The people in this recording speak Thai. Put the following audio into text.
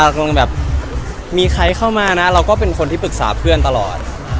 กำลังแบบมีใครเข้ามานะเราก็เป็นคนที่ปรึกษาเพื่อนตลอด